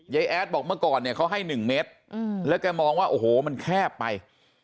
แอดบอกเมื่อก่อนเนี่ยเขาให้๑เมตรแล้วแกมองว่าโอ้โหมันแคบไป